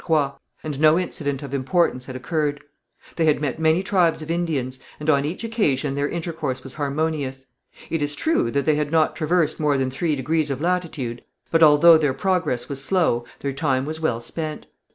Croix, and no incident of importance had occurred. They had met many tribes of Indians, and on each occasion their intercourse was harmonious. It is true that they had not traversed more than three degrees of latitude, but, although their progress was slow, their time was well spent.